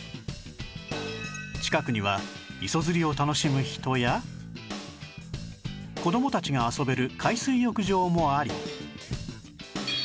近くには磯釣りを楽しむ人や子どもたちが遊べる海水浴場もあり